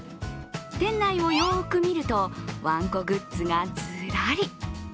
店内をよく見ると、ワンコグッズがずらり。